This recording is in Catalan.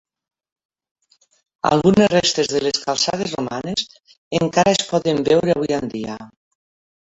Algunes restes de les calçades romanes encara es poden veure avui en dia.